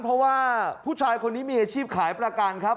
เพราะว่าผู้ชายคนนี้มีอาชีพขายประกันครับ